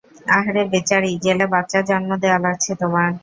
আহারে বেচারি, জেলে বাচ্চা জন্ম দেয়া লাগছে তোমার।